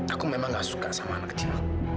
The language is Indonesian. aku memang gak suka sama anak kecil